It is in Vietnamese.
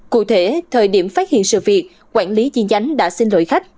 cụ thể thời điểm phát hiện sự việc quản lý chi nhánh đã xin lỗi khách